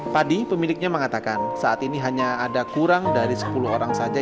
padi pemiliknya mengatakan saat ini hanya ada kurang dari sepuluh orang saja